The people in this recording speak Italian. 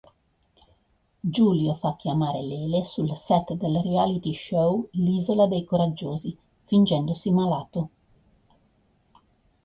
Giulio fa chiamare Lele sul set del reality show "L'Isola Dei coraggiosi", fingendosi malato.